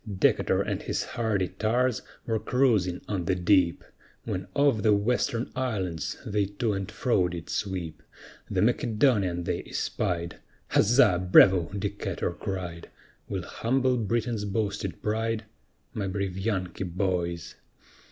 Decatur and his hardy tars were cruising on the deep, When off the Western Islands they to and fro did sweep, The Macedonian they espied, "Huzza! bravo!" Decatur cried, "We'll humble Britain's boasted pride, My brave Yankee boys."